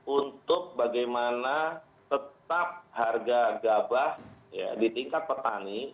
untuk bagaimana tetap harga gabah di tingkat petani